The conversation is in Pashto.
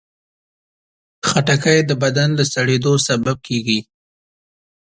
خټکی د بدن د سړېدو سبب کېږي.